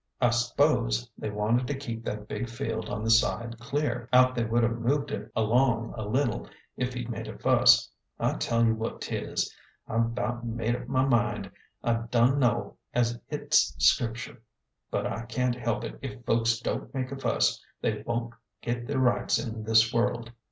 I s'pose they wanted to keep that big field on the side clear ; but they would have moved it along a little if he'd made a fuss. I tell you what 'tis, I've 'bout made up my mind I dun know as it's Scripture, but I can't help it if folks don't A GENTLE GHOST. 239 make a fuss they won't get their rights in this world.